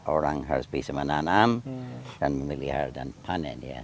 orang harus bisa menanam dan memelihara dan panen ya